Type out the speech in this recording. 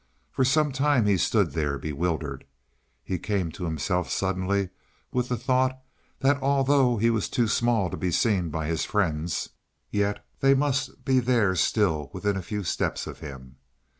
For some time he stood there, bewildered. He came to himself suddenly with the thought that although he was too small to be seen by his friends, yet they must be there still within a few steps of him.